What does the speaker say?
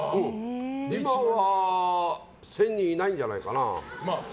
今は、１０００人いないんじゃないかな。